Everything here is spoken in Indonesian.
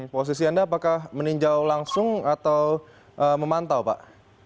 posisi anda apakah meninjau langsung atau memantau pak